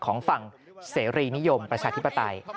ของฝั่งเสรีนิยมประชาธิปไตย